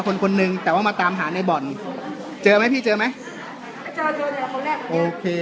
คนคนหนึ่งแต่ว่ามาตามหาในบ่อนเจอไหมพี่เจอไหมไม่